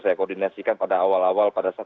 saya koordinasikan pada awal awal pada saat